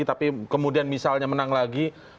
tapi kemudian misalnya menang lagi